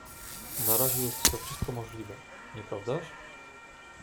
"Na razie jest to wszystko możliwe, nieprawdaż?"